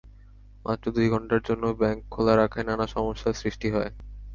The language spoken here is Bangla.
মাত্র দুই ঘণ্টার জন্য ব্যাংক খোলা রাখায় নানা সমস্যার সৃষ্টি হয়।